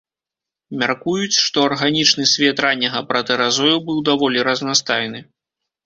Мяркуюць, што арганічны свет ранняга пратэразою быў даволі разнастайны.